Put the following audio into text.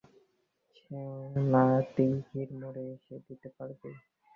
সোনাদীঘির মোড়ে এসে দিতে পারবি?